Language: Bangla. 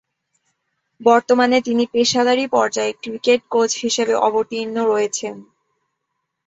বর্তমানে তিনি পেশাদারী পর্যায়ে ক্রিকেট কোচ হিসেবে অবতীর্ণ রয়েছেন।